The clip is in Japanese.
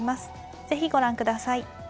是非ご覧下さい。